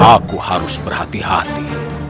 aku harus berhati hati